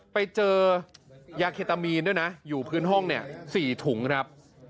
ไปเจอยาเคตามีนด้วยนะอยู่พื้นห้องเนี่ย๔ถุงครับ